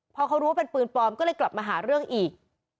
พอเขารู้ว่าเป็นปืนปลอมก็เลยกลับมาหาเรื่องอีก